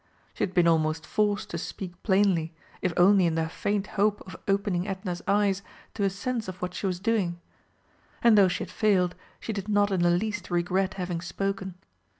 She had been almost forced to speak plainly, if only in the faint hope of opening Edna's eyes to a sense of what she was doing. And though she had failed, she did not in the least regret having spoken.